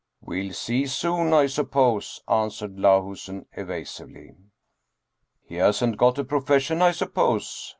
" We'll see soon, I suppose," answered Lahusen eva sively. " He hasn't got a profession, I suppose